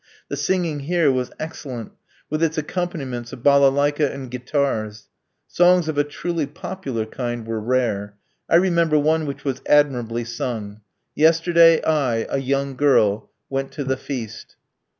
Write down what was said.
The singing here was excellent, with its accompaniments of balalaiki and guitars. Songs of a truly popular kind were rare. I remember one which was admirably sung: Yesterday, I, a young girl, Went to the feast.